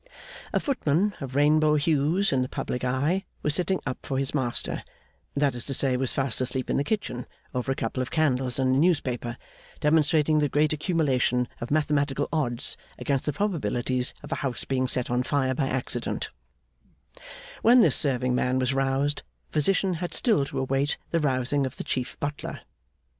A footman of rainbow hues, in the public eye, was sitting up for his master that is to say, was fast asleep in the kitchen over a couple of candles and a newspaper, demonstrating the great accumulation of mathematical odds against the probabilities of a house being set on fire by accident When this serving man was roused, Physician had still to await the rousing of the Chief Butler.